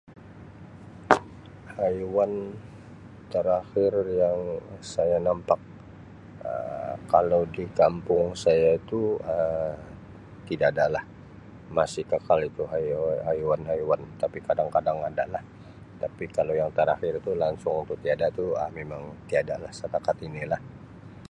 Haiwan terakhir yang saya nampak Um kalau di kampung saya tu Um tida da lah masih kekal itu haiwa-haiwan-haiwan tapi kadang-kadang ada lah tapi kalau yang terakhir tu langsung tu tiada tu Um mimang tiada lah setakat ini lah.